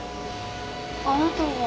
あなたは？